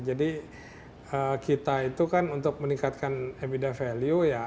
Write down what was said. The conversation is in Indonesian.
jadi kita itu kan untuk meningkatkan ebitda value